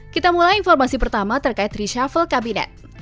kita mulai informasi pertama terkait reshuffle kabinet